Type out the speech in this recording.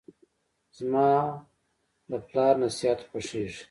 زماد پلار نصیحت خوښیږي.